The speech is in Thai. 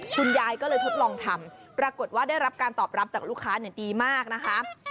คุณยายก็เลยทดลองทำปรากฏว่าได้รับการตอบรับจากลูกค้าดีมากนะคะ